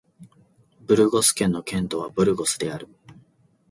ブルゴス県の県都はブルゴスである